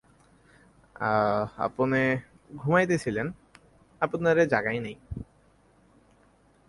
আপনে ঘুমাইতেছিলেন, আপনারে জাগাই নাই!